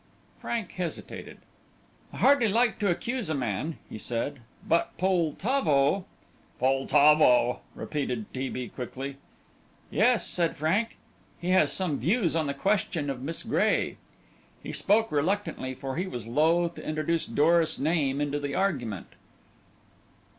Frank hesitated. "I hardly like to accuse a man," he said, "but Poltavo " "Poltavo?" repeated T. B. quickly. "Yes," said Frank; "he has some views on the question of Miss Gray." He spoke reluctantly, for he was loath to introduce Doris' name into the argument.